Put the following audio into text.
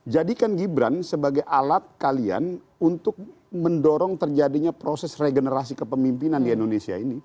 jadikan gibran sebagai alat kalian untuk mendorong terjadinya proses regenerasi kepemimpinan di indonesia ini